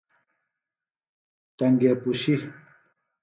ٹنیگے پُشیۡ۔